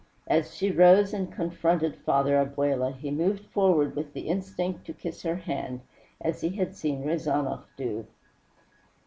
As she rose and confronted Father Abella he moved forward with the instinct to kiss her hand, as he had seen Rezanov do.